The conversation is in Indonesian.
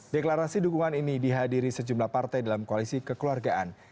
deklarasi dukungan ini dihadiri sejumlah partai dalam koalisi kekeluargaan